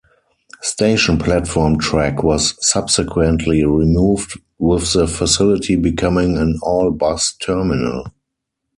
Station platform track was subsequently removed with the facility becoming an all-bus terminal.